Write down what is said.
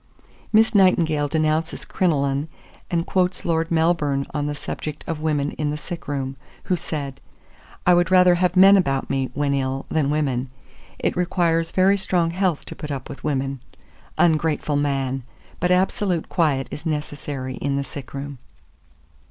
Miss Nightingale denounces crinoline, and quotes Lord Melbourne on the subject of women in the sick room, who said, "I would rather have men about me, when ill, than women; it requires very strong health to put up with women." Ungrateful man! but absolute quiet is necessary in the sick room.